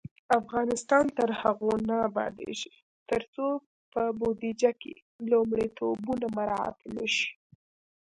افغانستان تر هغو نه ابادیږي، ترڅو په بودیجه کې لومړیتوبونه مراعت نشي.